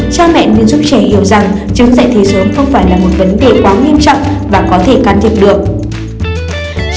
cha mẹ muốn giúp trẻ hiểu rằng chứng dạy thi sớm không phải là một vấn đề quá nghiêm trọng và có thể can thiệp được